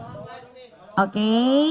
kiri atas oke